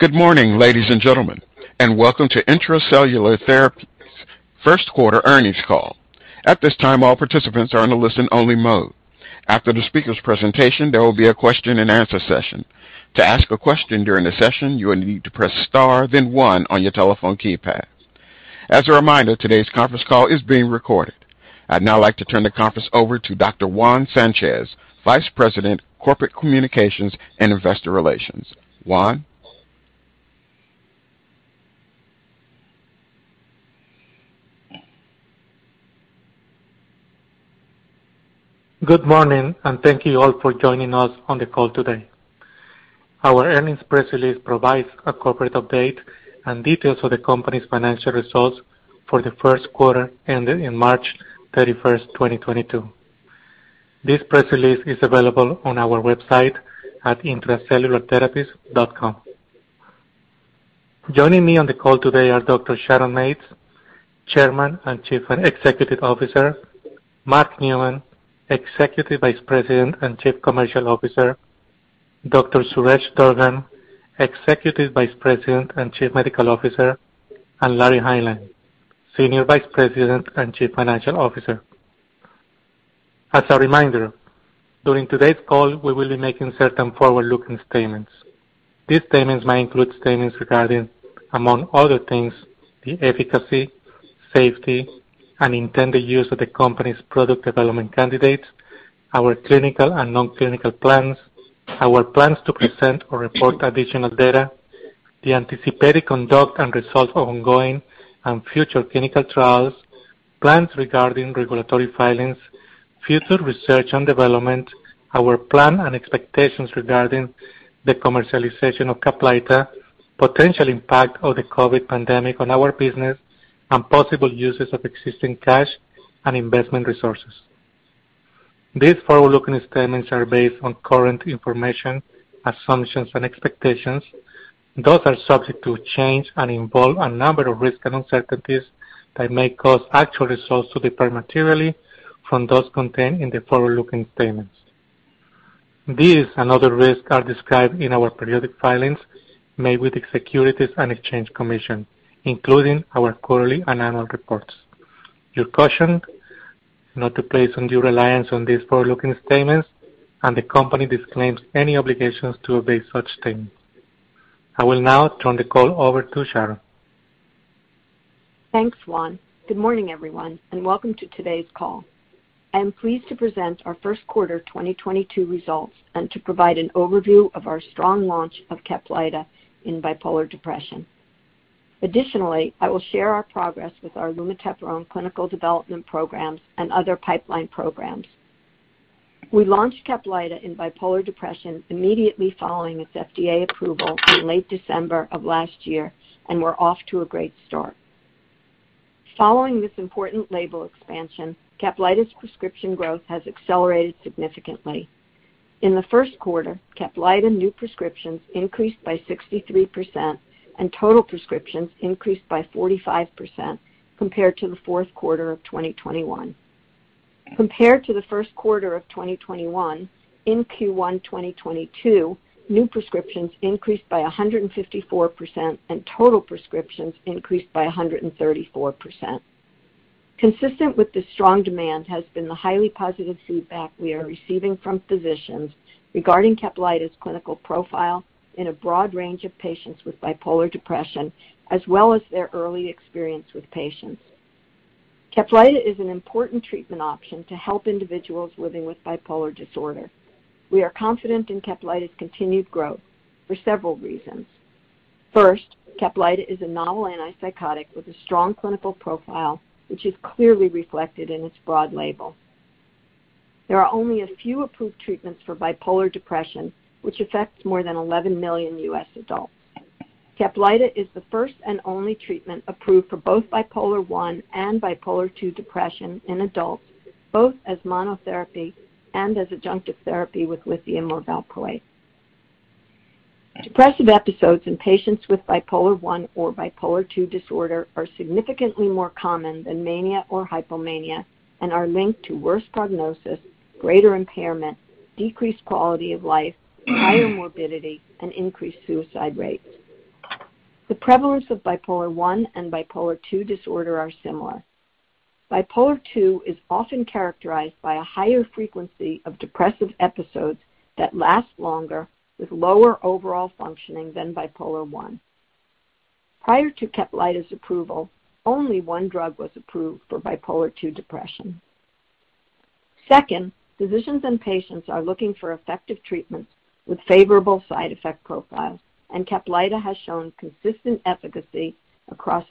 Good morning, ladies and gentlemen, and welcome to Intra-Cellular Therapies first quarter earnings call. At this time, all participants are in a listen-only mode. After the speaker's presentation, there will be a question-and-answer session. To ask a question during the session, you will need to press Star, then one on your telephone keypad. As a reminder, today's conference call is being recorded. I'd now like to turn the conference over to Juan Sanchez, Vice President, Corporate Communications and Investor Relations. Juan? Good morning, and thank you all for joining us on the call today. Our earnings press release provides a corporate update and details of the company's financial results for the first quarter ending March 31, 2022. This press release is available on our website at intracellulartherapies.com. Joining me on the call today are Dr. Sharon Mates, Chairman and Chief Executive Officer, Mark Neumann, Executive Vice President and Chief Commercial Officer, Dr. Suresh Durgam, Executive Vice President and Chief Medical Officer, and Larry Hineline, Senior Vice President and Chief Financial Officer. As a reminder, during today's call, we will be making certain forward-looking statements. These statements might include statements regarding, among other things, the efficacy, safety, and intended use of the company's product development candidates, our clinical and non-clinical plans, our plans to present or report additional data, the anticipated conduct and results of ongoing and future clinical trials, plans regarding regulatory filings, future research and development, our plan and expectations regarding the commercialization of Caplyta, potential impact of the COVID pandemic on our business, and possible uses of existing cash and investment resources. These forward-looking statements are based on current information, assumptions, and expectations. Those are subject to change and involve a number of risks and uncertainties that may cause actual results to differ materially from those contained in the forward-looking statements. These and other risks are described in our periodic filings made with the Securities and Exchange Commission, including our quarterly and annual reports. You're cautioned not to place undue reliance on these forward-looking statements, and the company disclaims any obligations to update such statements. I will now turn the call over to Sharon. Thanks, Juan. Good morning, everyone, and welcome to today's call. I am pleased to present our first quarter 2022 results and to provide an overview of our strong launch of Caplyta in bipolar depression. Additionally, I will share our progress with our Lumateperone clinical development programs and other pipeline programs. We launched Caplyta in bipolar depression immediately following its FDA approval in late December of last year and we're off to a great start. Following this important label expansion, Caplyta's prescription growth has accelerated significantly. In the first quarter, Caplyta new prescriptions increased by 63% and total prescriptions increased by 45% compared to the fourth quarter of 2021. Compared to the first quarter of 2021, in Q1 2022, new prescriptions increased by 154% and total prescriptions increased by 134%. Consistent with the strong demand has been the highly positive feedback we are receiving from physicians regarding Caplyta's clinical profile in a broad range of patients with bipolar depression, as well as their early experience with patients. Caplyta is an important treatment option to help individuals living with bipolar disorder. We are confident in Caplyta's continued growth for several reasons. First, Caplyta is a novel antipsychotic with a strong clinical profile, which is clearly reflected in its broad label. There are only a few approved treatments for bipolar depression, which affects more than 11 million U.S adults. Caplyta is the first and only treatment approved for both Bipolar I and Bipolar II depression in adults, both as monotherapy and as adjunctive therapy with lithium or valproate. Depressive episodes in patients with Bipolar I or Bipolar II disorder are significantly more common than mania or hypomania and are linked to worse prognosis, greater impairment, decreased quality of life, higher morbidity, and increased suicide rates. The prevalence of Bipolar I and Bipolar II disorder are similar. Bipolar II is often characterized by a higher frequency of depressive episodes that last longer with lower overall functioning than Bipolar I. Prior to Caplyta's approval, only one drug was approved for Bipolar II depression. Second, physicians and patients are looking for effective treatments with favorable side effect profiles, and Caplyta has shown consistent efficacy across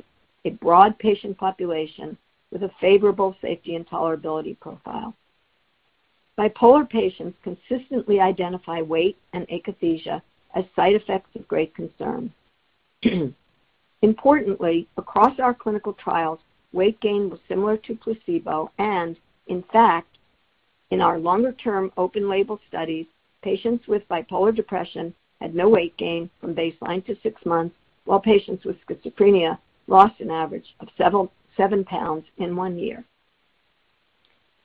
a broad patient population with a favorable safety and tolerability profile. Bipolar patients consistently identify weight and akathisia as side effects of great concern. Importantly, across our clinical trials, weight gain was similar to placebo, and in fact, in our longer-term open label studies, patients with bipolar depression had no weight gain from baseline to six months, while patients with schizophrenia lost an average of seven pounds in one year.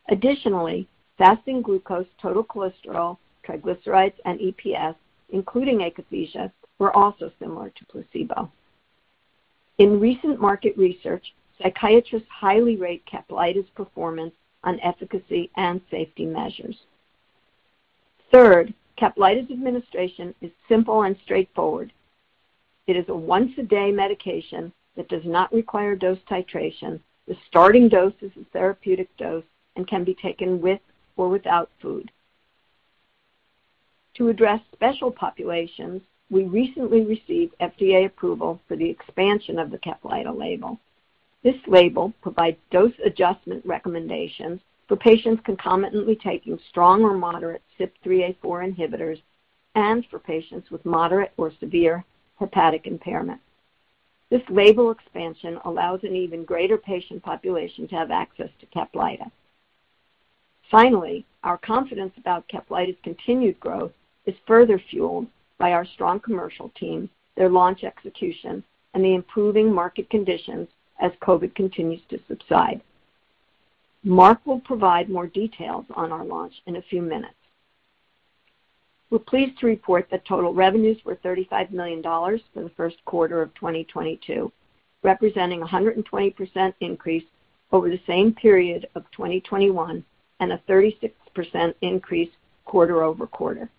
Additionally, fasting glucose, total cholesterol, triglycerides, and EPS, including akathisia, were also similar to placebo. In recent market research, psychiatrists highly rate Caplyta's performance on efficacy and safety measures. Third, Caplyta's administration is simple and straightforward. It is a once-a-day medication that does not require dose titration. The starting dose is a therapeutic dose and can be taken with or without food. To address special populations, we recently received FDA approval for the expansion of the Caplyta label. This label provides dose adjustment recommendations for patients concomitantly taking strong or moderate CYP3A4 inhibitors and for patients with moderate or severe hepatic impairment. This label expansion allows an even greater patient population to have access to Caplyta. Finally, our confidence about Caplyta's continued growth is further fueled by our strong commercial team, their launch execution, and the improving market conditions as COVID continues to subside. Mark will provide more details on our launch in a few minutes. We're pleased to report that total revenues were $35 million for the first quarter of 2022, representing a 120% increase over the same period of 2021 and a 36% increase quarter-over-quarter.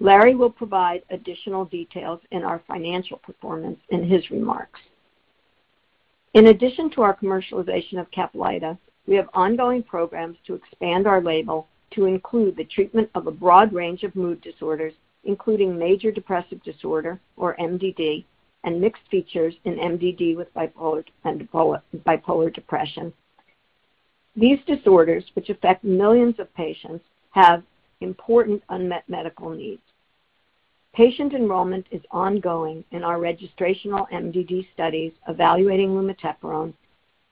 Larry will provide additional details in our financial performance in his remarks. In addition to our commercialization of Caplyta, we have ongoing programs to expand our label to include the treatment of a broad range of mood disorders, including major depressive disorder, or MDD, and mixed features in MDD with bipolar and bipolar depression. These disorders, which affect millions of patients, have important unmet medical needs. Patient enrollment is ongoing in our registrational MDD studies evaluating Lumateperone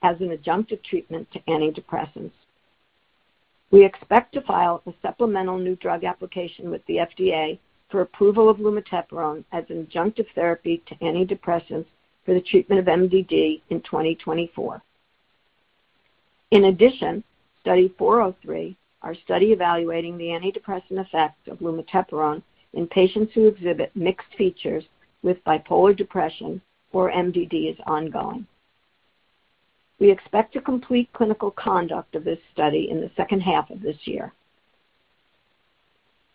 as an adjunctive treatment to antidepressants. We expect to file a supplemental new drug application with the FDA for approval of Lumateperone as an adjunctive therapy to antidepressants for the treatment of MDD in 2024. In addition, Study 403, our study evaluating the antidepressant effect of Lumateperone in patients who exhibit mixed features with bipolar depression or MDD, is ongoing. We expect to complete clinical conduct of this study in the second half of this year.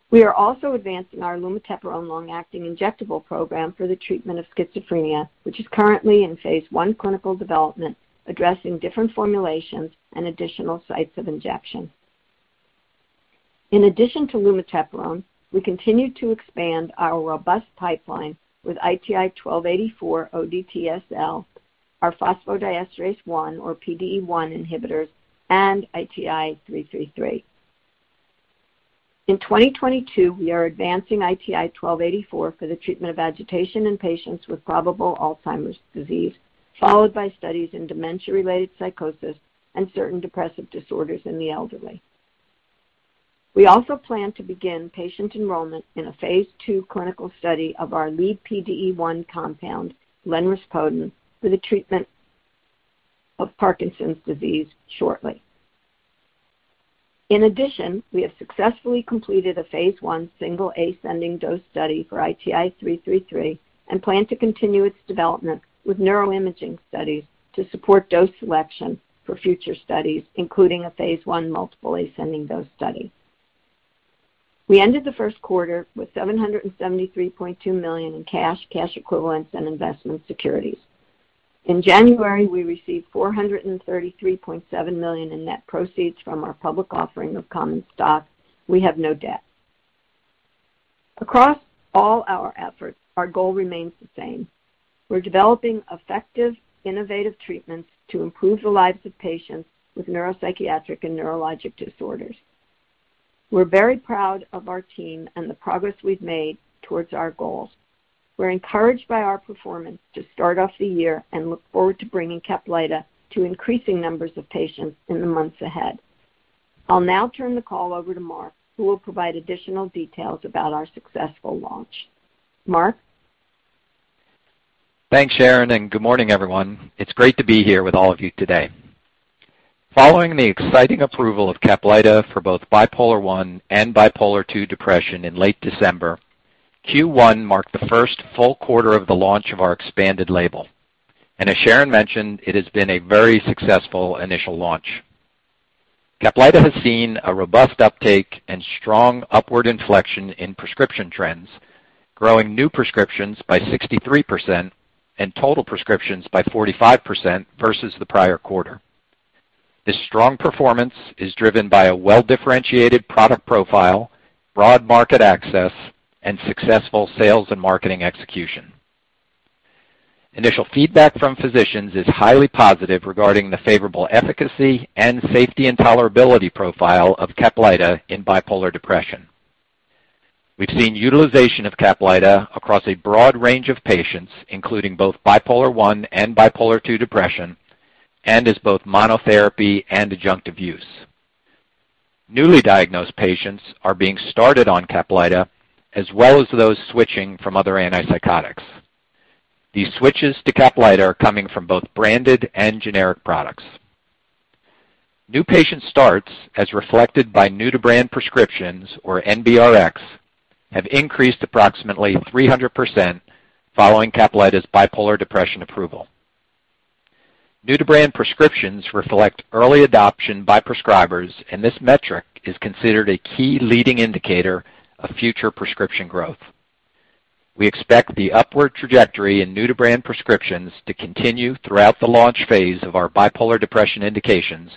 We are also advancing our Lumateperone long-acting injectable program for the treatment of schizophrenia, which is currently in phase I clinical development, addressing different formulations and additional sites of injection. In addition to Lumateperone, we continue to expand our robust pipeline with ITI-1284-ODTSL, our phosphodiesterase 1 or PDE 1 inhibitors, and ITI-333. In 2022, we are advancing ITI-1284 for the treatment of agitation in patients with probable Alzheimer's disease, followed by studies in dementia-related psychosis and certain depressive disorders in the elderly. We also plan to begin patient enrollment in a phase II clinical study of our lead PDE 1 compound, lenrispo, for the treatment of Parkinson's disease shortly. In addition, we have successfully completed a phase I single ascending dose study for ITI-333 and plan to continue its development with neuroimaging studies to support dose selection for future studies, including a phase I multiple ascending dose study. We ended the first quarter with $773.2 million in cash equivalents, and investment securities. In January, we received $433.7 million in net proceeds from our public offering of common stock. We have no debt. Across all our efforts, our goal remains the same. We're developing effective, innovative treatments to improve the lives of patients with neuropsychiatric and neurologic disorders. We're very proud of our team and the progress we've made towards our goals. We're encouraged by our performance to start off the year and look forward to bringing Caplyta to increasing numbers of patients in the months ahead. I'll now turn the call over to Mark, who will provide additional details about our successful launch. Mark? Thanks, Sharon, and good morning, everyone. It's great to be here with all of you today. Following the exciting approval of Caplyta for both Bipolar I and Bipolar II depression in late December, Q1 marked the first full quarter of the launch of our expanded label. As Sharon mentioned, it has been a very successful initial launch. Caplyta has seen a robust uptake and strong upward inflection in prescription trends, growing new prescriptions by 63% and total prescriptions by 45% versus the prior quarter. This strong performance is driven by a well-differentiated product profile, broad market access, and successful sales and marketing execution. Initial feedback from physicians is highly positive regarding the favorable efficacy and safety and tolerability profile of Caplyta in bipolar depression. We've seen utilization of Caplyta across a broad range of patients, including both bipolar one and bipolar two depression, and as both monotherapy and adjunctive use. Newly diagnosed patients are being started on Caplyta, as well as those switching from other antipsychotics. These switches to Caplyta are coming from both branded and generic products. New patient starts as reflected by new to brand prescriptions or NBRXs have increased approximately 300% following Caplyta's bipolar depression approval. New-to-brand prescriptions reflect early adoption by prescribers, and this metric is considered a key leading indicator of future prescription growth. We expect the upward trajectory in new-to-brand prescriptions to continue throughout the launch phase of our bipolar depression indications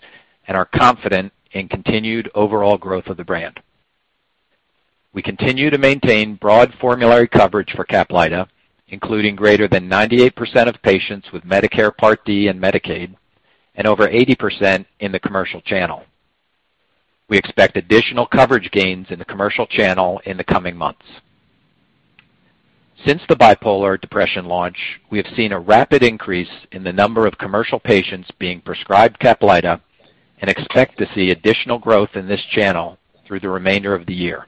and are confident in continued overall growth of the brand. We continue to maintain broad formulary coverage for Caplyta, including greater than 98% of patients with Medicare Part D and Medicaid and over 80% in the commercial channel. We expect additional coverage gains in the commercial channel in the coming months. Since the bipolar depression launch, we have seen a rapid increase in the number of commercial patients being prescribed Caplyta and expect to see additional growth in this channel through the remainder of the year.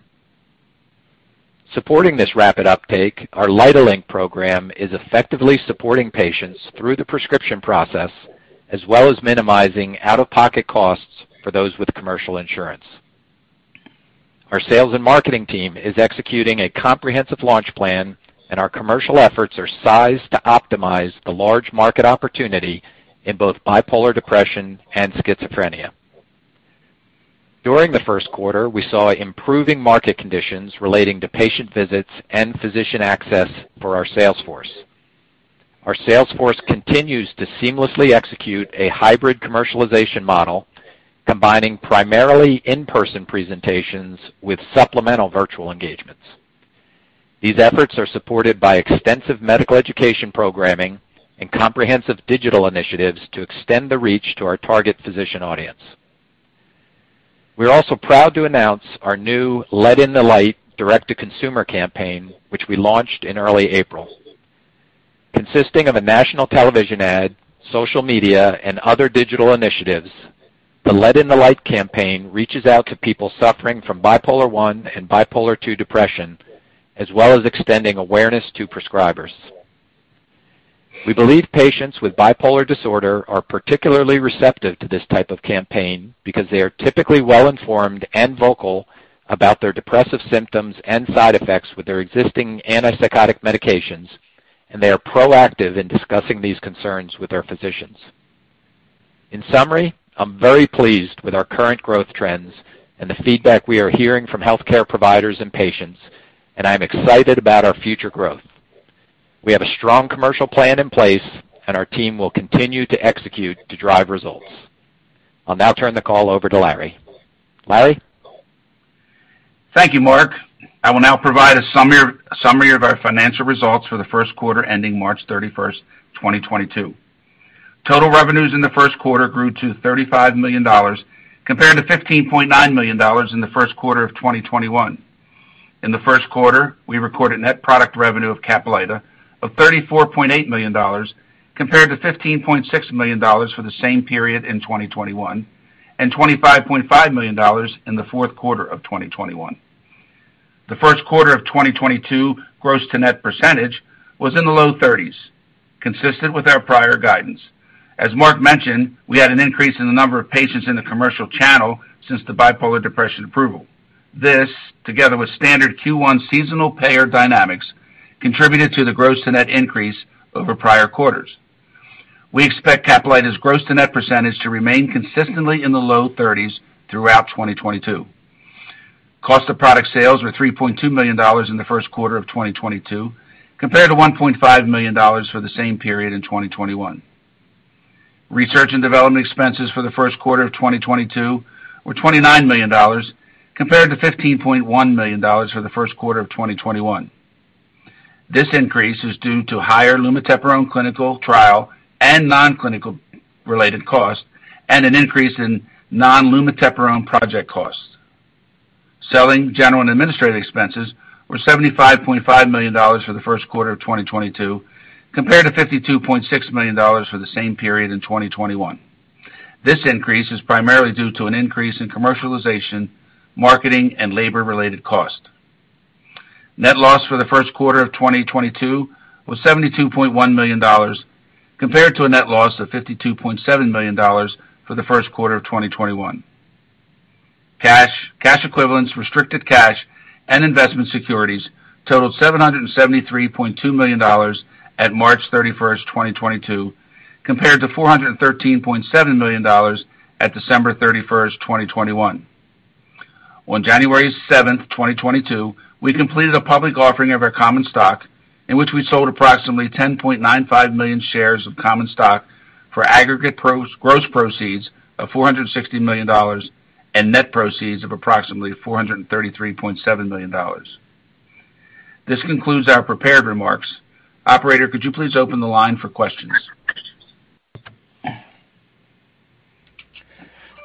Supporting this rapid uptake, our LYTAlink program is effectively supporting patients through the prescription process, as well as minimizing out-of-pocket costs for those with commercial insurance. Our sales and marketing team is executing a comprehensive launch plan, and our commercial efforts are sized to optimize the large market opportunity in both bipolar depression and schizophrenia. During the first quarter, we saw improving market conditions relating to patient visits and physician access for our sales force. Our sales force continues to seamlessly execute a hybrid commercialization model, combining primarily in-person presentations with supplemental virtual engagements. These efforts are supported by extensive medical education programming and comprehensive digital initiatives to extend the reach to our target physician audience. We are also proud to announce our new Let in the Lyte direct-to-consumer campaign, which we launched in early April. Consisting of a national television ad, social media, and other digital initiatives, the Let in the Lyte campaign reaches out to people suffering from Bipolar I and Bipolar II depression, as well as extending awareness to prescribers. We believe patients with bipolar disorder are particularly receptive to this type of campaign because they are typically well-informed and vocal about their depressive symptoms and side effects with their existing antipsychotic medications, and they are proactive in discussing these concerns with their physicians. In summary, I'm very pleased with our current growth trends and the feedback we are hearing from healthcare providers and patients. I'm excited about our future growth. We have a strong commercial plan in place, and our team will continue to execute to drive results. I'll now turn the call over to Larry. Larry. Thank you, Mark. I will now provide a summary of our financial results for the first quarter ending March 31, 2022. Total revenues in the first quarter grew to $35 million compared to $15.9 million in the first quarter of 2021. In the first quarter, we reported net product revenue of Caplyta of $34.8 million compared to $15.6 million for the same period in 2021 and $25.5 million in the fourth quarter of 2021. The first quarter of 2022 gross to net percentage was in the low 30s%, consistent with our prior guidance. As Mark mentioned, we had an increase in the number of patients in the commercial channel since the bipolar depression approval. This, together with standard Q1 seasonal payer dynamics, contributed to the gross to net increase over prior quarters. We expect Caplyta's gross to net percentage to remain consistently in the low 30s% throughout 2022. Cost of product sales were $3.2 million in the first quarter of 2022 compared to $1.5 million for the same period in 2021. Research and development expenses for the first quarter of 2022 were $29 million compared to $15.1 million for the first quarter of 2021. This increase is due to higher Lumateperone clinical trial and non-clinical related costs and an increase in non-lumateperone project costs. Selling, general, and administrative expenses were $75.5 million for the first quarter of 2022 compared to $52.6 million for the same period in 2021. This increase is primarily due to an increase in commercialization, marketing, and labor related costs. Net loss for the first quarter of 2022 was $72.1 million compared to a net loss of $52.7 million for the first quarter of 2021. Cash, cash equivalents, restricted cash, and investment securities totaled $773.2 million at March 31, 2022 compared to $413.7 million at December 31, 2021. On January 7, 2022, we completed a public offering of our common stock in which we sold approximately 10.95 million shares of common stock for aggregate gross proceeds of $460 million and net proceeds of approximately $433.7 million. This concludes our prepared remarks. Operator, could you please open the line for questions?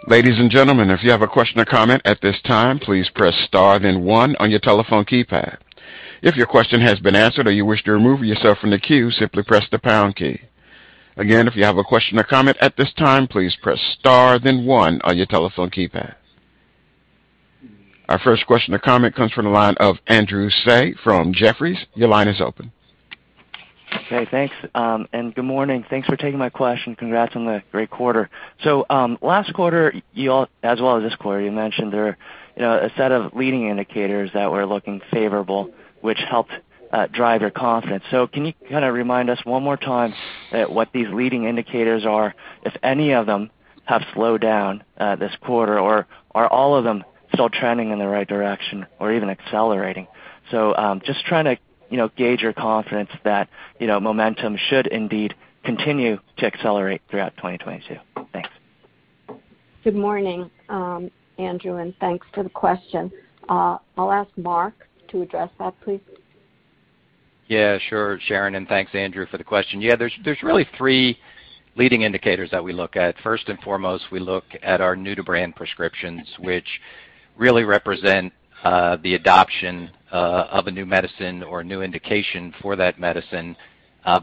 Ladies and gentlemen, if you have a question or comment at this time, please press star then one on your telephone keypad. If your question has been answered or you wish to remove yourself from the queue, simply press the pound key. Again, if you have a question or comment at this time, please press star then one on your telephone keypad. Our first question or comment comes from the line of Andrew Tsai from Jefferies, your line is open. Okay, thanks, and good morning. Thanks for taking my question. Congrats on the great quarter. Last quarter, as well as this quarter, you mentioned there, you know, a set of leading indicators that were looking favorable, which helped drive your confidence. Can you kinda remind us one more time at what these leading indicators are, if any of them have slowed down this quarter, or are all of them still trending in the right direction or even accelerating? Just trying to, you know, gauge your confidence that, you know, momentum should indeed continue to accelerate throughout 2022. Thanks. Good morning, Andrew, and thanks for the question. I'll ask Mark to address that, please. Yeah, sure, Sharon. Thanks, Andrew, for the question. Yeah, there's really three leading indicators that we look at. First and foremost, we look at our new-to-brand prescriptions, which really represent the adoption of a new medicine or a new indication for that medicine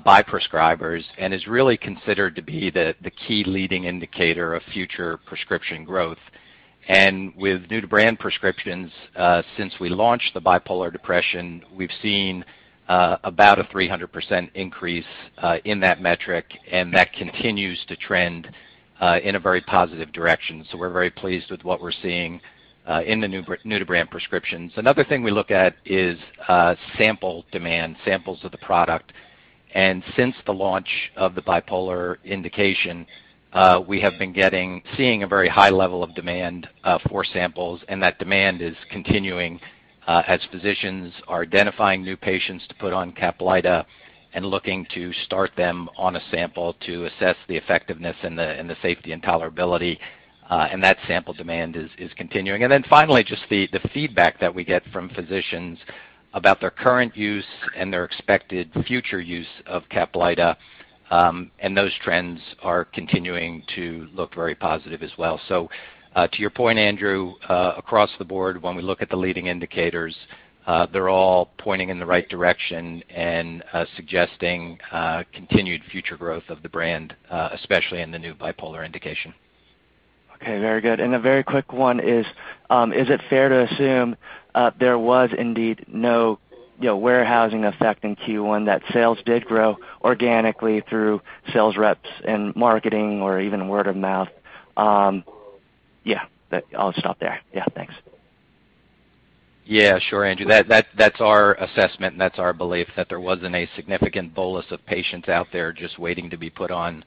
by prescribers and is really considered to be the key leading indicator of future prescription growth. With new-to-brand prescriptions, since we launched the bipolar depression, we've seen about a 300% increase in that metric, and that continues to trend in a very positive direction. We're very pleased with what we're seeing in the new-to-brand prescriptions. Another thing we look at is sample demand, samples of the product. Since the launch of the bipolar indication, we have been seeing a very high level of demand for samples, and that demand is continuing as physicians are identifying new patients to put on Caplyta and looking to start them on a sample to assess the effectiveness and the safety and tolerability. That sample demand is continuing. Finally, just the feedback that we get from physicians about their current use and their expected future use of Caplyta, and those trends are continuing to look very positive as well. To your point, Andrew, across the board, when we look at the leading indicators, they're all pointing in the right direction and suggesting continued future growth of the brand, especially in the new bipolar indication. Okay, very good. A very quick one is it fair to assume, there was indeed no, you know, warehousing effect in Q1, that sales did grow organically through sales reps and marketing or even word of mouth? Yeah, I'll stop there. Yeah, thanks. Yeah, sure, Andrew. That's our assessment, and that's our belief that there wasn't a significant bolus of patients out there just waiting to be put on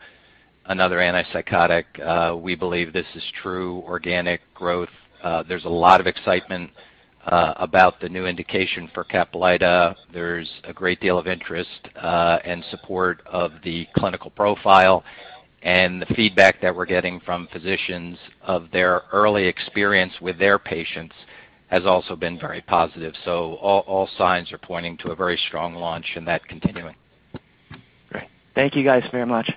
another antipsychotic. We believe this is true organic growth. There's a lot of excitement about the new indication for Caplyta. There's a great deal of interest and support of the clinical profile. The feedback that we're getting from physicians of their early experience with their patients has also been very positive. All signs are pointing to a very strong launch and that continuing. Great. Thank you guys very much.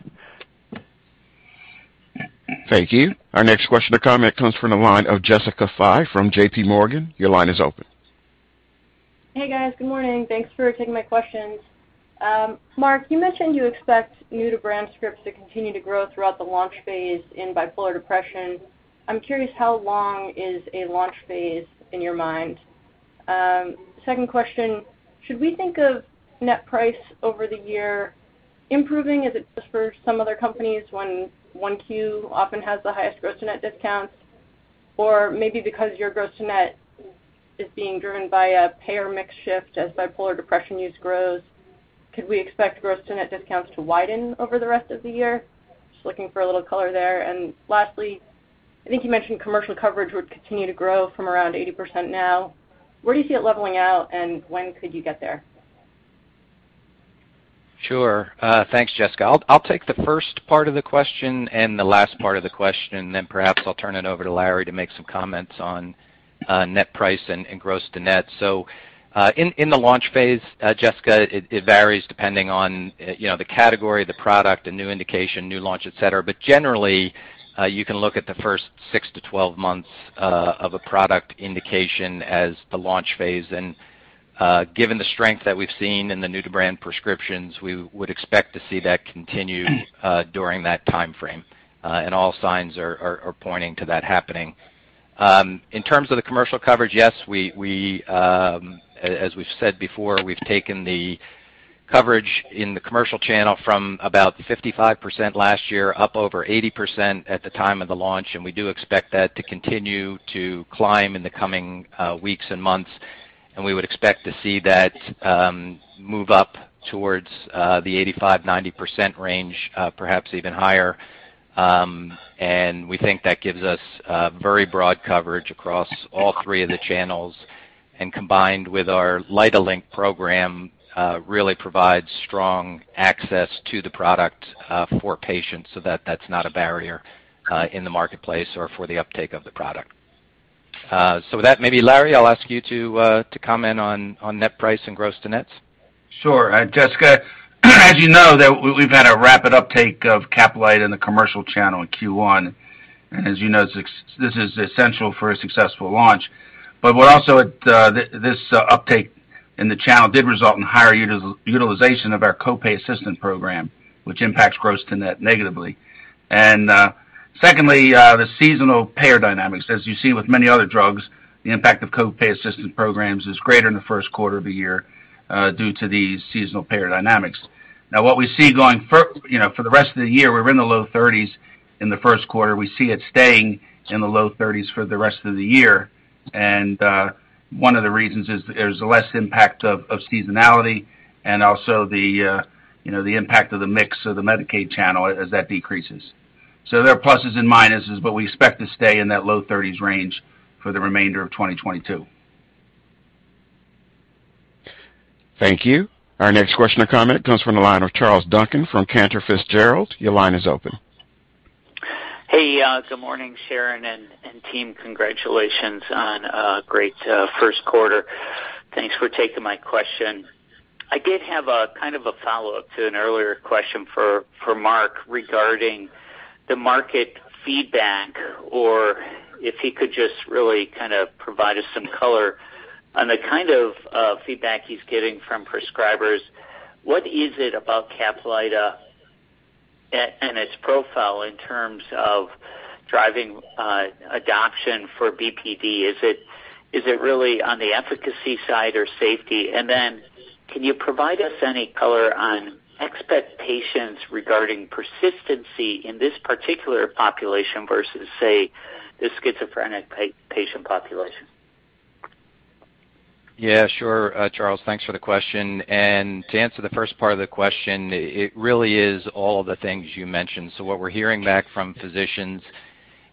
Thank you. Our next question or comment comes from the line of Jessica Fye from JPMorgan. Your line is open. Hey, guys. Good morning. Thanks for taking my questions. Mark, you mentioned you expect new-to-brand scripts to continue to grow throughout the launch phase in bipolar depression. I'm curious, how long is a launch phase in your mind? Second question, should we think of net price over the year improving as it does for some other companies when 1Q often has the highest gross to net discounts? Or maybe because your gross to net is being driven by a payer mix shift as bipolar depression use grows, could we expect gross to net discounts to widen over the rest of the year? Just looking for a little color there. Lastly, I think you mentioned commercial coverage would continue to grow from around 80% now. Where do you see it leveling out, and when could you get there? Sure. Thanks, Jessica. I'll take the first part of the question and the last part of the question, and then perhaps I'll turn it over to Larry to make some comments on net price and gross to net. In the launch phase, Jessica, it varies depending on you know, the category, the product, the new indication, new launch, et cetera. But generally, you can look at the first six to 12 months of a product indication as the launch phase. Given the strength that we've seen in the new-to-brand prescriptions, we would expect to see that continue during that timeframe. All signs are pointing to that happening. In terms of the commercial coverage, yes, as we've said before, we've taken the coverage in the commercial channel from about 55% last year, up over 80% at the time of the launch, and we do expect that to continue to climb in the coming weeks and months. We would expect to see that move up towards the 85%-90% range, perhaps even higher. We think that gives us very broad coverage across all three of the channels, and combined with our LYTAlink program, really provides strong access to the product for patients so that that's not a barrier in the marketplace or for the uptake of the product. With that, maybe, Larry, I'll ask you to comment on net price and gross to nets. Sure. Jessica, as you know that we've had a rapid uptake of Caplyta in the commercial channel in Q1. As you know, this is essential for a successful launch. What also it, this uptake in the channel did result in higher utilization of our co-pay assistance program, which impacts gross to net negatively. Secondly, the seasonal payer dynamics. As you see with many other drugs, the impact of co-pay assistance programs is greater in the first quarter of the year, due to these seasonal payer dynamics. Now, what we see for the rest of the year, we're in the low thirties% in the first quarter. We see it staying in the low thirties% for the rest of the year. One of the reasons is there's less impact of seasonality and also you know the impact of the mix of the Medicaid channel as that decreases. There are pluses and minuses, but we expect to stay in that low 30s range for the remainder of 2022. Thank you. Our next question or comment comes from the line of Charles Duncan from Cantor Fitzgerald, your line is open. Hey, good morning, Sharon and team. Congratulations on a great first quarter. Thanks for taking my question. I did have a kind of a follow-up to an earlier question for Mark regarding the market feedback, or if he could just really kind of provide us some color on the kind of feedback he's getting from prescribers. What is it about Caplyta and its profile in terms of driving adoption for BPD? Is it really on the efficacy side or safety? And then can you provide us any color on expectations regarding persistency in this particular population versus, say, the schizophrenic patient population? Yeah, sure, Charles. Thanks for the question. To answer the first part of the question, it really is all of the things you mentioned. What we're hearing back from physicians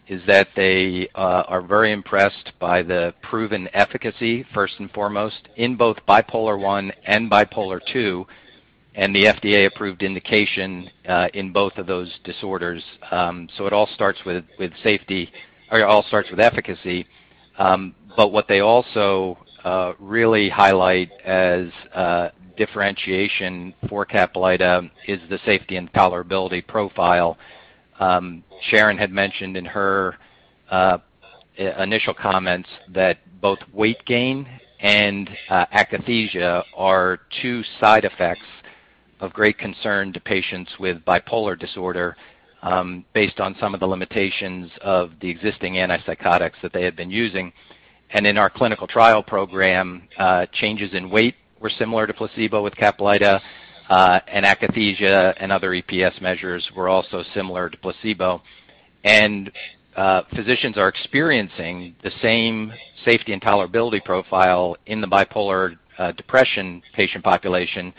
is that they are very impressed by the proven efficacy, first and foremost, in both bipolar one and bipolar two, and the FDA-approved indication in both of those disorders. It all starts with safety or it all starts with efficacy. What they also really highlight as differentiation for Caplyta is the safety and tolerability profile. Sharon had mentioned in her initial comments that both weight gain and akathisia are two side effects of great concern to patients with bipolar disorder, based on some of the limitations of the existing antipsychotics that they had been using. In our clinical trial program, changes in weight were similar to placebo with Caplyta, and akathisia and other EPS measures were also similar to placebo. Physicians are experiencing the same safety and tolerability profile in the bipolar depression patient population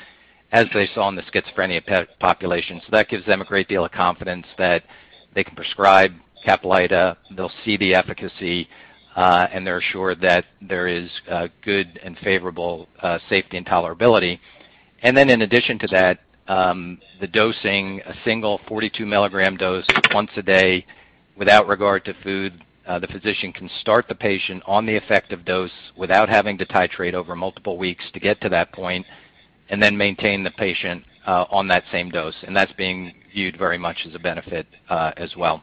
as they saw in the schizophrenia patient population. That gives them a great deal of confidence that they can prescribe Caplyta, they'll see the efficacy, and they're assured that there is good and favorable safety and tolerability. In addition to that, the dosing a single 42 milligram dose once a day without regard to food, the physician can start the patient on the effective dose without having to titrate over multiple weeks to get to that point and then maintain the patient on that same dose. That's being viewed very much as a benefit, as well.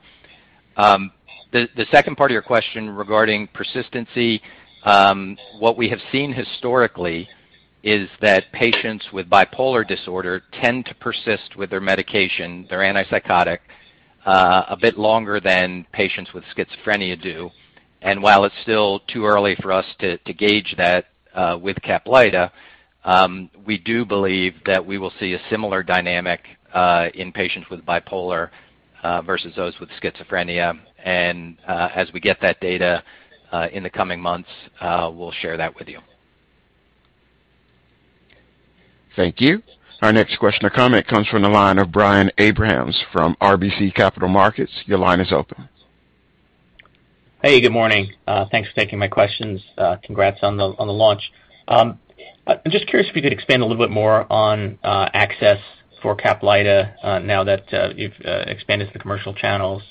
The second part of your question regarding persistency, what we have seen historically is that patients with bipolar disorder tend to persist with their medication, their antipsychotic, a bit longer than patients with schizophrenia do. While it's still too early for us to gauge that, with Caplyta, we do believe that we will see a similar dynamic, in patients with bipolar, versus those with schizophrenia. As we get that data, in the coming months, we'll share that with you. Thank you. Our next question or comment comes from the line of Brian Abrahams from RBC Capital Markets, your line is open. Hey, good morning. Thanks for taking my questions. Congrats on the launch. I'm just curious if you could expand a little bit more on access for Caplyta now that you've expanded to the commercial channels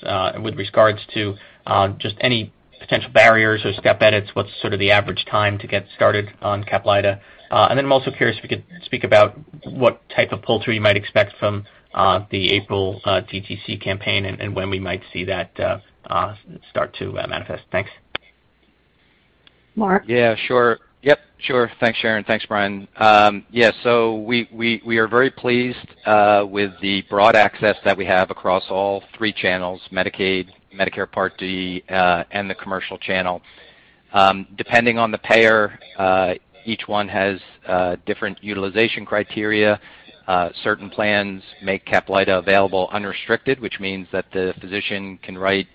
with regards to just any potential barriers or step edits, what's sort of the average time to get started on Caplyta? I'm also curious if you could speak about what type of pull-through you might expect from the April DTC campaign and when we might see that start to manifest. Thanks. Mark? Yeah, sure. Yep, sure. Thanks, Sharon. Thanks, Brian. We are very pleased with the broad access that we have across all three channels, Medicaid, Medicare Part D, and the commercial channel. Depending on the payer, each one has different utilization criteria. Certain plans make Caplyta available unrestricted, which means that the physician can write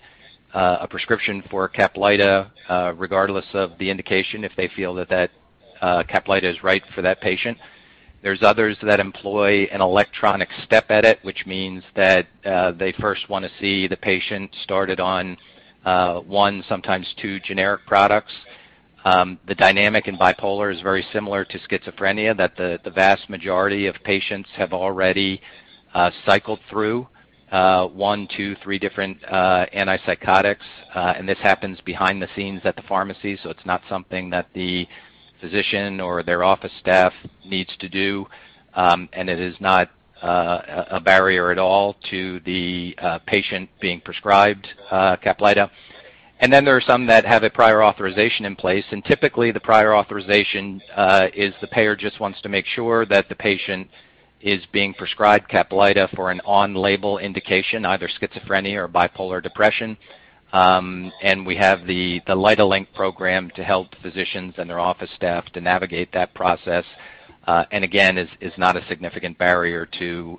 a prescription for Caplyta regardless of the indication if they feel that Caplyta is right for that patient. There are others that employ an electronic step edit, which means that they first want to see the patient started on one, sometimes two generic products. The dynamic in bipolar is very similar to schizophrenia, that the vast majority of patients have already cycled through one, two, three different antipsychotics. This happens behind the scenes at the pharmacy, so it's not something that the physician or their office staff needs to do. It is not a barrier at all to the patient being prescribed Caplyta. Then there are some that have a prior authorization in place. Typically, the prior authorization is the payer just wants to make sure that the patient is being prescribed Caplyta for an on-label indication, either schizophrenia or bipolar depression. We have the LYTAlink program to help physicians and their office staff to navigate that process. Again, it is not a significant barrier to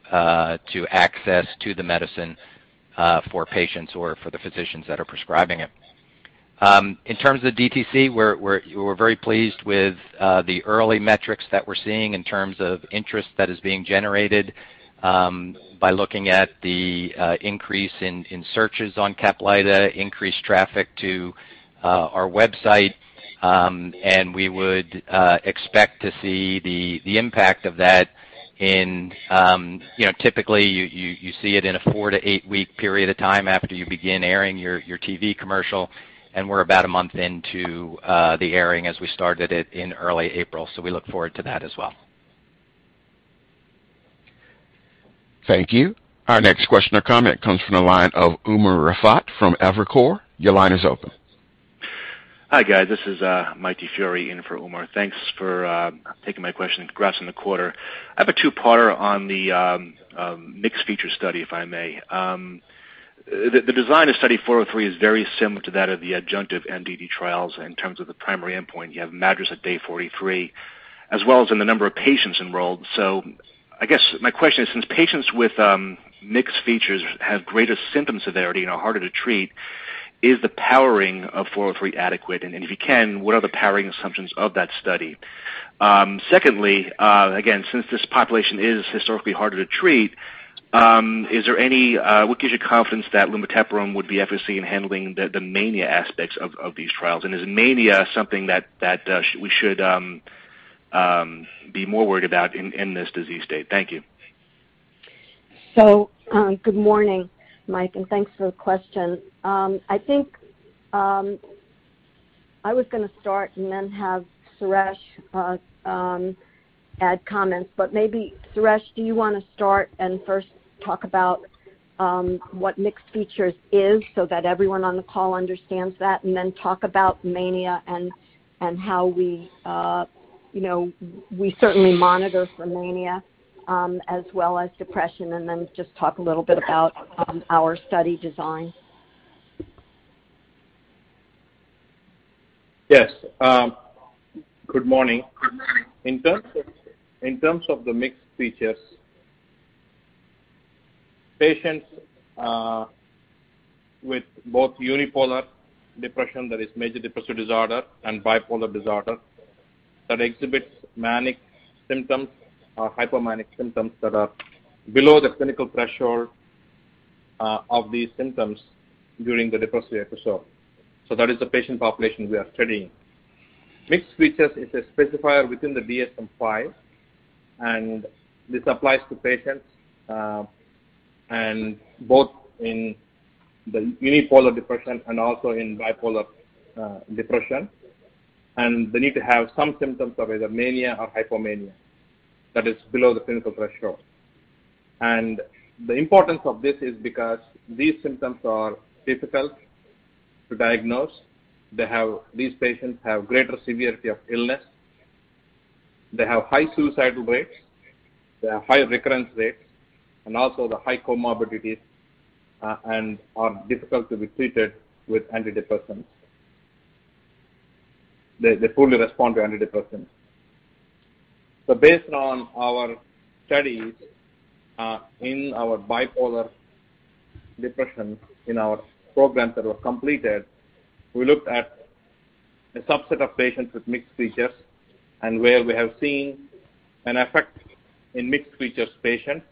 access to the medicine for patients or for the physicians that are prescribing it. In terms of DTC, we're very pleased with the early metrics that we're seeing in terms of interest that is being generated by looking at the increase in searches on Caplyta, increased traffic to our website. We would expect to see the impact of that in, you know, typically, you see it in a four to eight week period of time after you begin airing your TV commercial, and we're about a month into the airing as we started it in early April. We look forward to that as well. Thank you. Our next question or comment comes from the line of Umer Raffat from Evercore. Your line is open. Hi, guys. This is Mike DiFiore in for Umer. Thanks for taking my question. Congrats on the quarter. I have a two-parter on the mixed feature study, if I may. The design of Study 403 is very similar to that of the adjunctive MDD trials in terms of the primary endpoint. You have MADRS at day 43, as well as in the number of patients enrolled. I guess my question is, since patients with mixed features have greater symptom severity and are harder to treat, is the powering of 403 adequate? And if you can, what are the powering assumptions of that study? Secondly, again, since this population is historically harder to treat, is there any what gives you confidence that Lumateperone would be efficacy in handling the mania aspects of these trials? Is mania something that we should be more worried about in this disease state? Thank you. Good morning, Mike, and thanks for the question. I think I was gonna start and then have Suresh add comments. Maybe, Suresh, do you wanna start and first talk about what mixed features is so that everyone on the call understands that, and then talk about mania and how we, you know, we certainly monitor for mania as well as depression, and then just talk a little bit about our study design. Yes. Good morning. In terms of the mixed features patients with both unipolar depression, that is major depressive disorder, and bipolar disorder that exhibits manic symptoms or hypomanic symptoms that are below the clinical threshold of these symptoms during the depressive episode. That is the patient population we are studying. Mixed features is a specifier within the DSM-5, and this applies to patients and both in the unipolar depression and also in bipolar depression. They need to have some symptoms of either mania or hypomania that is below the clinical threshold. The importance of this is because these symptoms are difficult to diagnose. These patients have greater severity of illness. They have high suicidal rates. They have high recurrence rates and also the high comorbidities and are difficult to be treated with antidepressants. They poorly respond to antidepressants. Based on our studies in our bipolar depression in our programs that were completed, we looked at a subset of patients with mixed features and where we have seen an effect in mixed features patients,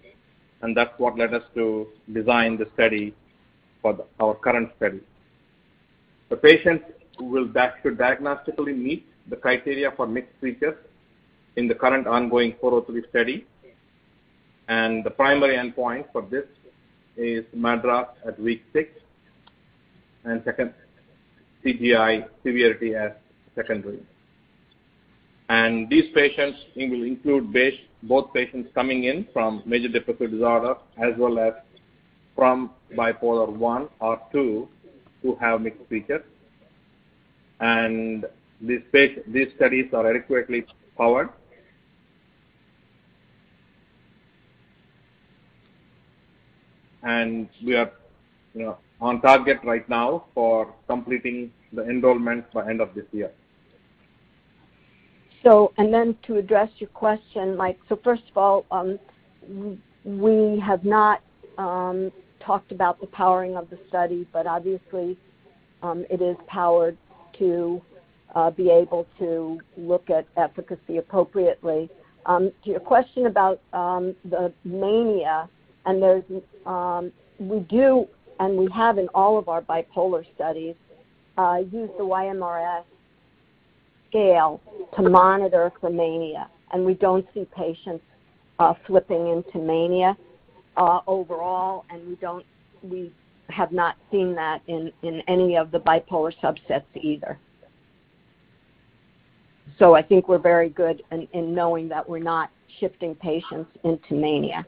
and that's what led us to design the study for our current study. The patients who will be able to diagnostically meet the criteria for mixed features in the current ongoing 403 study. The primary endpoint for this is MADRS at week six and second CGI severity as secondary. These patients, we will include both patients coming in from major depressive disorder as well as from Bipolar I or II who have mixed features. These studies are adequately powered. We are, you know, on target right now for completing the enrollment by end of this year. To address your question, Mike. First of all, we have not talked about the powering of the study, but obviously, it is powered to be able to look at efficacy appropriately. To your question about the mania, we do and we have in all of our bipolar studies use the YMRS scale to monitor for mania. We don't see patients flipping into mania overall, and we have not seen that in any of the bipolar subsets either. I think we're very good in knowing that we're not shifting patients into mania.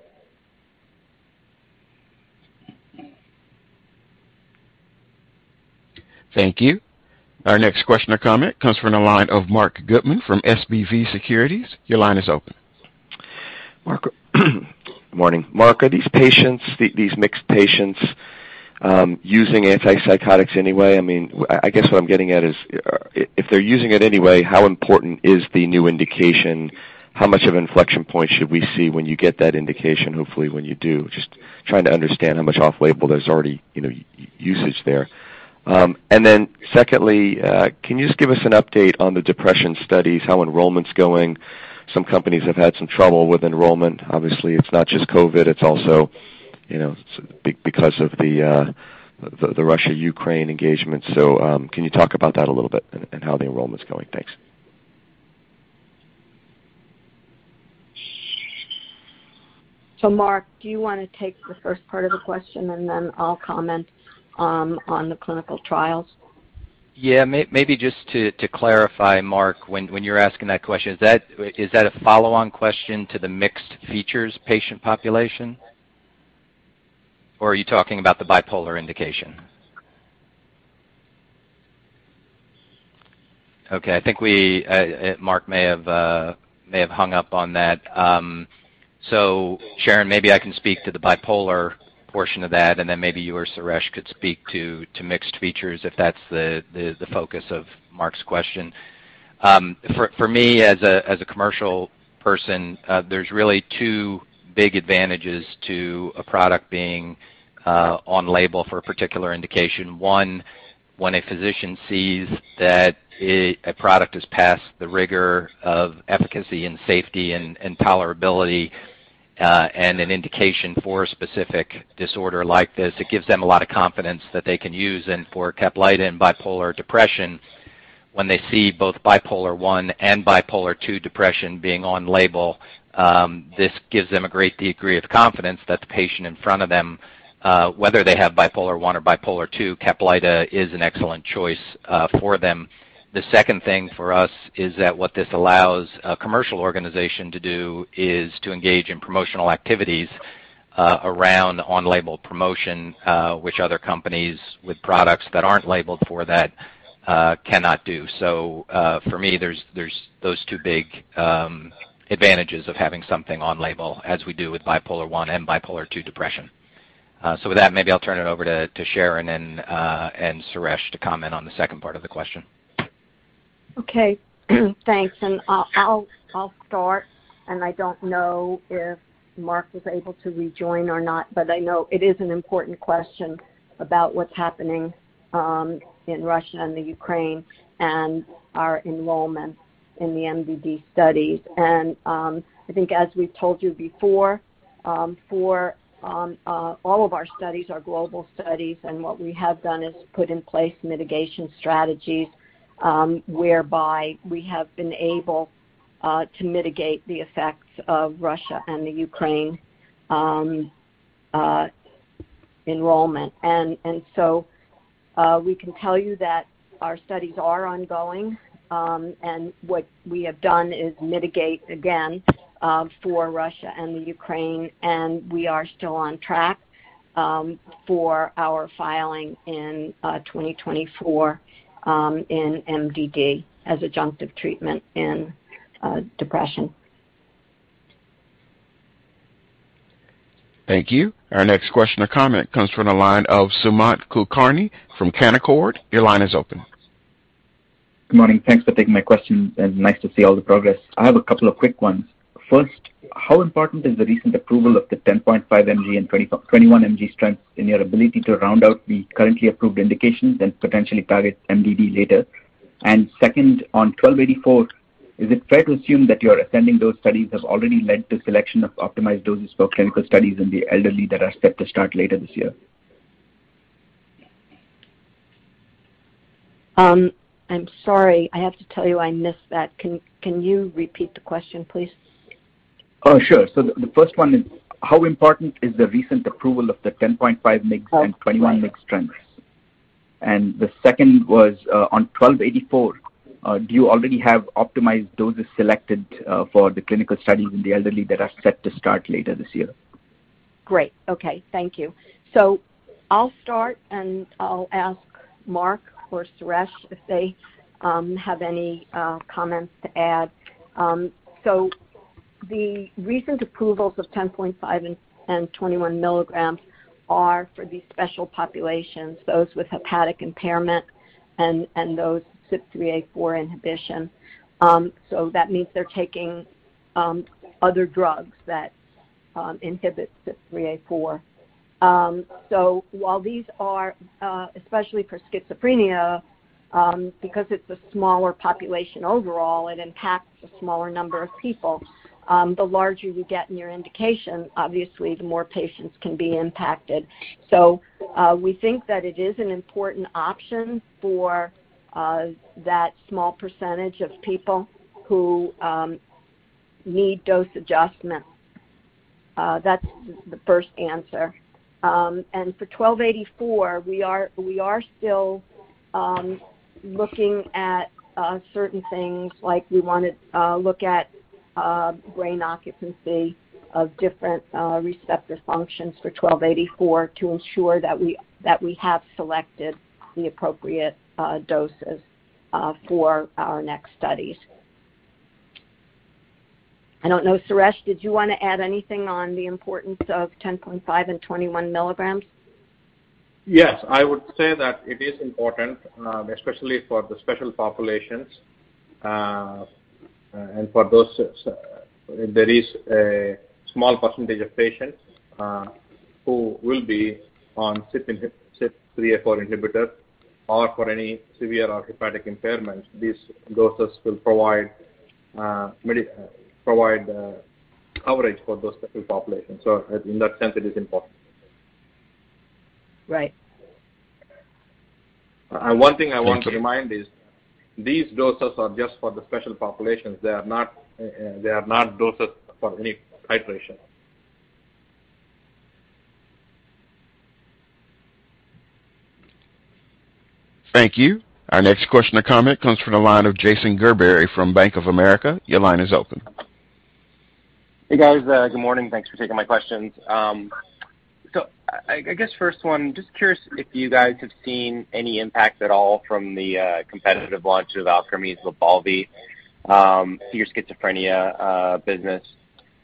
Thank you. Our next question or comment comes from the line of Marc Goodman from SVB Securities, your line is open. Marc, morning. Mark, are these patients, these mixed patients, using antipsychotics anyway? I mean, I guess what I'm getting at is, if they're using it anyway, how important is the new indication? How much of an inflection point should we see when you get that indication, hopefully, when you do? Just trying to understand how much off-label there's already, you know, usage there. Secondly, can you just give us an update on the depression studies, how enrollment's going? Some companies have had some trouble with enrollment. Obviously, it's not just COVID, it's also, you know, because of the Russia, Ukraine engagement. Can you talk about that a little bit and how the enrollment's going? Thanks. Mark, do you wanna take the first part of the question, and then I'll comment on the clinical trials? Yeah. Maybe just to clarify, Marc, when you're asking that question, is that a follow-on question to the mixed features patient population, or are you talking about the bipolar indication? Okay. I think Marc may have hung up on that. Sharon, maybe I can speak to the bipolar portion of that, and then maybe you or Suresh could speak to mixed features if that's the focus of Marc's question. For me, as a commercial person, there's really two big advantages to a product being on label for a particular indication. One, when a physician sees that a product has passed the rigor of efficacy and safety and tolerability and an indication for a specific disorder like this, it gives them a lot of confidence that they can use. For Caplyta in bipolar depression, when they see both Bipolar I and Bipolar II depression being on label, this gives them a great degree of confidence that the patient in front of them, whether they have Bipolar I or Bipolar II, Caplyta is an excellent choice for them. The second thing for us is that what this allows a commercial organization to do is to engage in promotional activities around on-label promotion, which other companies with products that aren't labeled for that cannot do. For me, there's those two big advantages of having something on label as we do with Bipolar I and Bipolar II depression. With that, maybe I'll turn it over to Sharon and Suresh to comment on the second part of the question. Okay. Thanks. I'll start. I don't know if Marc was able to rejoin or not, but I know it is an important question about what's happening in Russia and the Ukraine and our enrollment in the MDD studies. I think as we've told you before, for all of our studies are global studies, and what we have done is put in place mitigation strategies, whereby we have been able to mitigate the effects of Russia and the Ukraine enrollment. We can tell you that our studies are ongoing. What we have done is mitigate again for Russia and the Ukraine, and we are still on track for our filing in 2024 in MDD as adjunctive treatment in depression. Thank you. Our next question or comment comes from the line of Sumant Kulkarni from Canaccord, your line is open. Good morning. Thanks for taking my question and nice to see all the progress. I have a couple of quick ones. First, how important is the recent approval of the 10.5 mg and 21 mg strengths in your ability to round out the currently approved indications and potentially target MDD later? Second, on 1284, is it fair to assume that you're attending those studies have already led to selection of optimized doses for clinical studies in the elderly that are set to start later this year? I'm sorry. I have to tell you I missed that. Can you repeat the question, please? Oh, sure. The first one is how important is the recent approval of the 10.5 mg and 21 mg strengths? The second was, on ITI-1284, do you already have optimized doses selected, for the clinical studies in the elderly that are set to start later this year? Great. Okay. Thank you. I'll start, and I'll ask Mark or Suresh if they have any comments to add. The recent approvals of 10.5 and 21 milligrams are for these special populations, those with hepatic impairment and those CYP3A4 inhibition. That means they're taking other drugs that inhibit CYP3A4. While these are especially for schizophrenia, because it's a smaller population overall, it impacts a smaller number of people. The larger you get in your indication, obviously, the more patients can be impacted. We think that it is an important option for that small percentage of people who need dose adjustment. That's the first answer. For 1284, we are still looking at certain things like we wanna look at brain occupancy of different receptor functions for 1284 to ensure that we have selected the appropriate doses for our next studies. I don't know. Suresh, did you wanna add anything on the importance of 10.5 and 21 milligrams? Yes, I would say that it is important, especially for the special populations. For those, there is a small percentage of patients who will be on CYP3A4 inhibitor or for any severe hepatic impairment. These doses will provide coverage for those special populations. In that sense, it is important. Right. One thing I want to remind is these doses are just for the special populations. They are not doses for any titration. Thank you. Our next question or comment comes from the line of Jason Gerberry from Bank of America. Your line is open. Hey, guys. Good morning. Thanks for taking my questions. I guess first one, just curious if you guys have seen any impact at all from the competitive launch of Alkermes' LYBALVI to your schizophrenia business.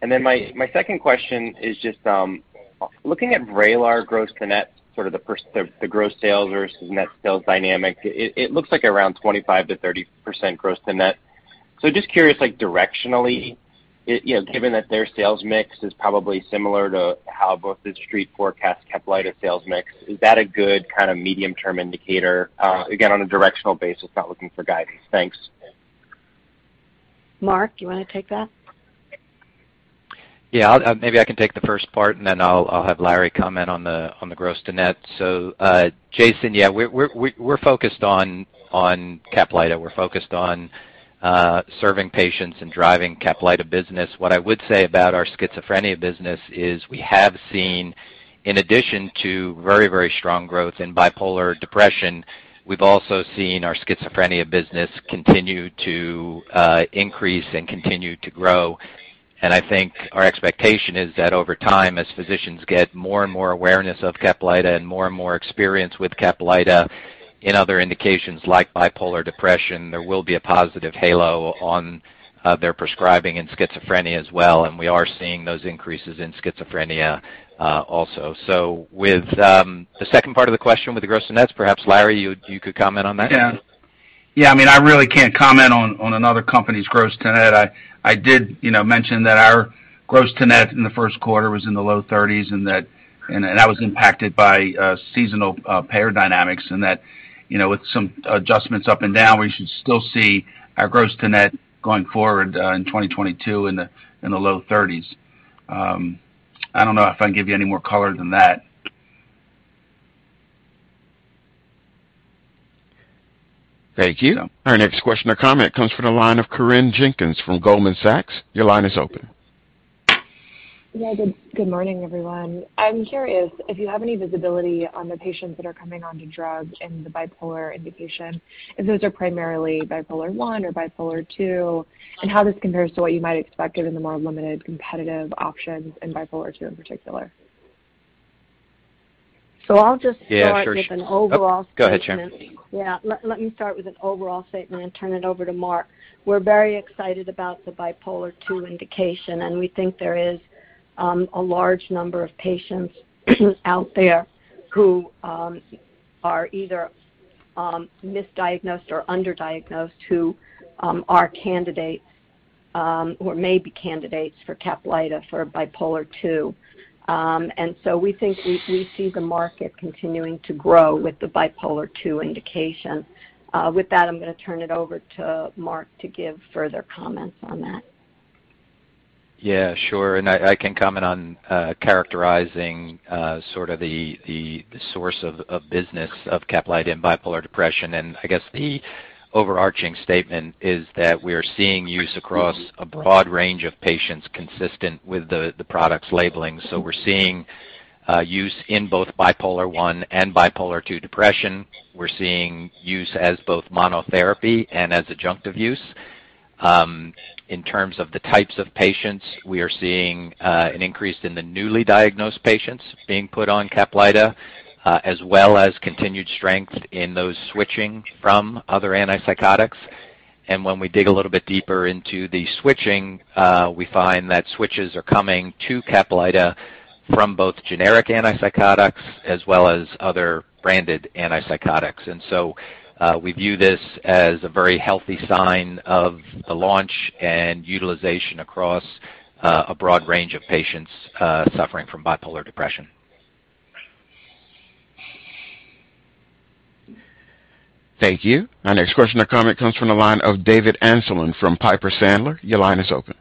Then my second question is just looking at Vraylar gross-to-net, sort of the gross sales versus net sales dynamic, it looks like around 25%-30% gross to net. Just curious, like directionally, you know, given that their sales mix is probably similar to how both the Street forecasts Caplyta sales mix, is that a good kind of medium-term indicator, again, on a directional basis? Not looking for guidance. Thanks. Mark, do you wanna take that? Yeah. Maybe I can take the first part, and then I'll have Larry comment on the gross to net. Jason, yeah, we're focused on Caplyta. We're focused on serving patients and driving Caplyta business. What I would say about our schizophrenia business is we have seen in addition to very, very strong growth in bipolar depression, we've also seen our schizophrenia business continue to increase and continue to grow. I think our expectation is that over time, as physicians get more and more awareness of Caplyta and more and more experience with Caplyta in other indications like bipolar depression, there will be a positive halo on their prescribing in schizophrenia as well. We are seeing those increases in schizophrenia also. With the second part of the question with the gross to nets, perhaps, Larry, you could comment on that. I mean, I really can't comment on another company's gross to net. I did, you know, mention that our gross to net in the first quarter was in the low thirties and that was impacted by seasonal payer dynamics and that, you know, with some adjustments up and down, we should still see our gross to net going forward in 2022 in the low thirties. I don't know if I can give you any more color than that. Thank you. Yeah. Our next question or comment comes from the line of Corinne Jenkins from Goldman Sachs, your line is open. Good morning, everyone. I'm curious if you have any visibility on the patients that are coming onto drug in the bipolar indication, if those are primarily Bipolar I or Bipolar II, and how this compares to what you might expect given the more limited competitive options in Bipolar II in particular. I'll just start. Yeah, sure. with an overall statement. Go ahead, Sharon. Yeah. Let me start with an overall statement and turn it over to Mark. We're very excited about the Bipolar II indication, and we think there is a large number of patients out there who are either misdiagnosed or underdiagnosed, who are candidates or may be candidates for Caplyta for Bipolar II. We think we see the market continuing to grow with the Bipolar II indication. With that, I'm gonna turn it over to Mark to give further comments on that. Yeah, sure. I can comment on characterizing sort of the source of business of Caplyta in bipolar depression. I guess the overarching statement is that we're seeing use across a broad range of patients consistent with the product's labeling. We're seeing use in both Bipolar I and Bipolar II depression. We're seeing use as both monotherapy and as adjunctive use. In terms of the types of patients, we are seeing an increase in the newly diagnosed patients being put on Caplyta, as well as continued strength in those switching from other antipsychotics. When we dig a little bit deeper into the switching, we find that switches are coming to Caplyta from both generic antipsychotics as well as other branded antipsychotics. We view this as a very healthy sign of a launch and utilization across a broad range of patients suffering from bipolar depression. Thank you. Our next question or comment comes from the line of David Amsellem from Piper Sandler, your line is open.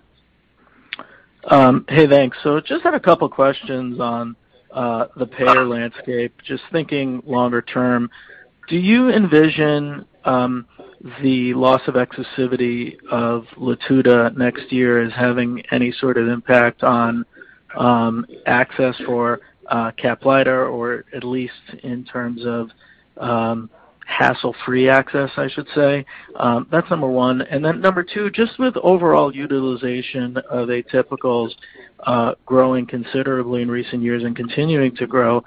Hey, thanks. Just had a couple questions on the payer landscape, just thinking longer term. Do you envision the loss of exclusivity of Latuda next year as having any sort of impact on access for Caplyta or at least in terms of hassle-free access, I should say? That's number one. Then number two, just with overall utilization of atypicals growing considerably in recent years and continuing to grow,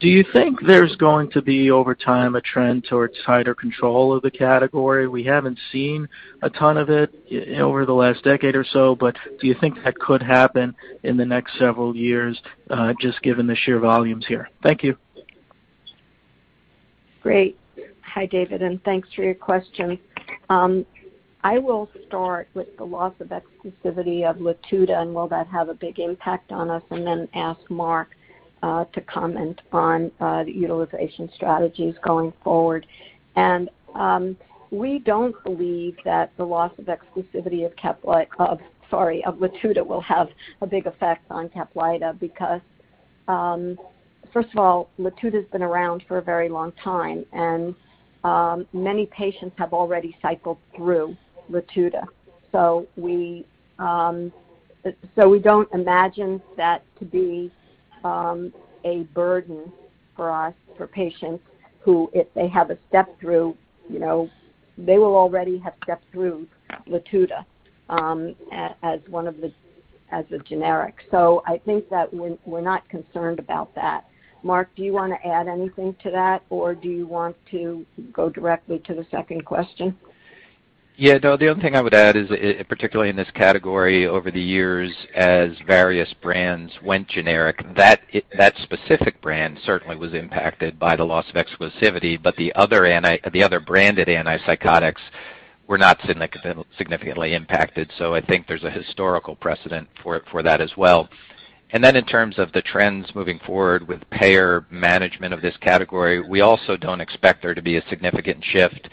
do you think there's going to be over time a trend towards tighter control of the category? We haven't seen a ton of it yet over the last decade or so, but do you think that could happen in the next several years just given the sheer volumes here? Thank you. Great. Hi, David, and thanks for your question. I will start with the loss of exclusivity of Latuda and will that have a big impact on us, and then ask Mark to comment on the utilization strategies going forward. We don't believe that the loss of exclusivity of Latuda will have a big effect on Caplyta because, first of all, Latuda's been around for a very long time, and many patients have already cycled through Latuda. We don't imagine that to be a burden for us, for patients who if they have a step through, you know, they will already have stepped through Latuda, as a generic. I think that we're not concerned about that. Mark, do you wanna add anything to that, or do you want to go directly to the second question? Yeah, no, the only thing I would add is, particularly in this category over the years as various brands went generic, that specific brand certainly was impacted by the loss of exclusivity, but the other branded antipsychotics were not significantly impacted. I think there's a historical precedent for that as well. In terms of the trends moving forward with payer management of this category, we also don't expect there to be a significant shift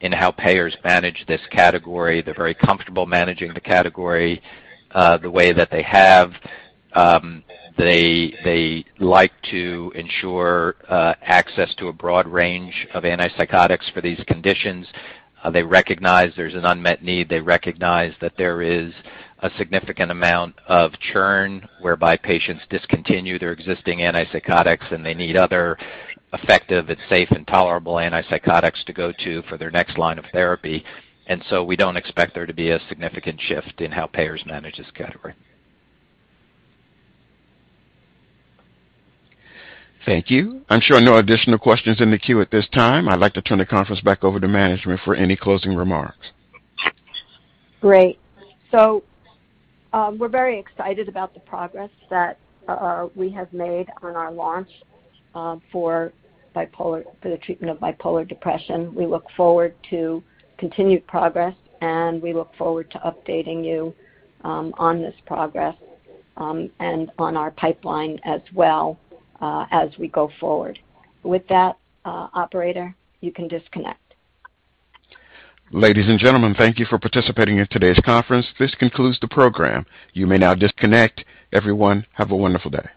in how payers manage this category. They're very comfortable managing the category the way that they have. They like to ensure access to a broad range of antipsychotics for these conditions. They recognize there's an unmet need. They recognize that there is a significant amount of churn whereby patients discontinue their existing antipsychotics, and they need other effective and safe and tolerable antipsychotics to go to for their next line of therapy. We don't expect there to be a significant shift in how payers manage this category. Thank you. I'm showing no additional questions in the queue at this time. I'd like to turn the conference back over to management for any closing remarks. Great. We're very excited about the progress that we have made on our launch for bipolar, for the treatment of bipolar depression. We look forward to continued progress, and we look forward to updating you on this progress and on our pipeline as well as we go forward. With that, operator, you can disconnect. Ladies and gentlemen, thank you for participating in today's conference. This concludes the program. You may now disconnect. Everyone, have a wonderful day.